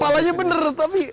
palanya bener tapi